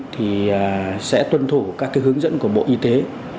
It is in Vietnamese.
thì sẽ tuân thủ các hướng dẫn của bộ y tế